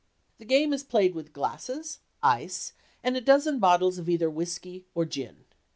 The game is played with glasses, ice, and a dozen bottles of either whisky or gin.